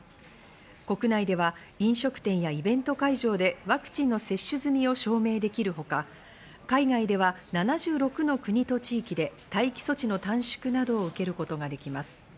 国内では飲食店やイベント会場でワクチンの接種済みを証明できるほか、海外では７６の国と地域で待機措置の短縮などを受けることができます。